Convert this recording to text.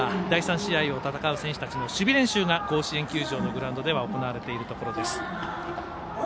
第３試合を戦う選手たちの守備練習が甲子園球場のグラウンドで行われているところです。